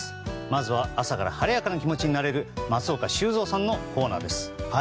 まずは朝から晴れやかな気持ちになれる松岡修造さんのコーナーです。